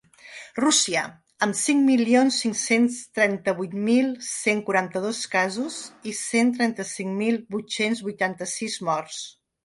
Rússia, amb cinc milions cinc-cents trenta-vuit mil cent quaranta-dos casos i cent trenta-cinc mil vuit-cents vuitanta-sis morts.